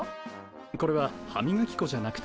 これは歯みがき粉じゃなくて。